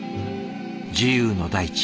「自由の大地」